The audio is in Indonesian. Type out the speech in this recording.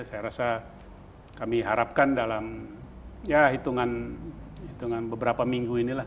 saya rasa kami harapkan dalam ya hitungan hitungan beberapa minggu ini lah